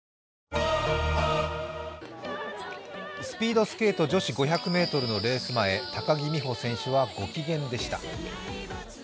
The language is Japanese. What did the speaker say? スピードスケート女子５００ｍのレース前、高木美帆選手はご機嫌でした。